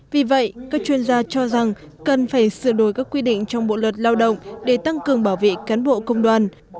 vì vậy các chuyên gia cho rằng cần phải sửa đổi các quy định trong bộ luật lao động để tăng cường bảo vệ cán bộ công đoàn